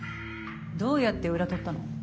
どうやって裏とったの？